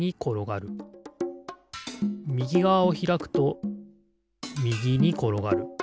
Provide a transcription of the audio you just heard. みぎがわをひらくとみぎにころがる。